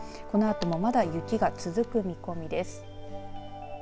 このあともまだ雪が続く見込みです。